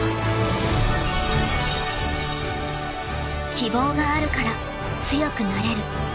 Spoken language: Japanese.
［希望があるから強くなれる］